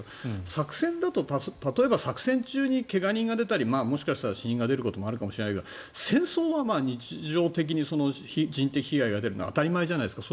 作戦だと例えば作戦中に怪我人が出たりもしかしたら死人が出るかもしれないけど戦争は日常的に人的被害が出るのは当たり前じゃないですか。